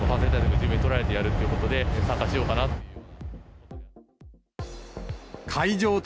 十分に取られてやるということで、参加しようかなと。